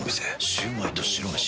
シュウマイと白めし。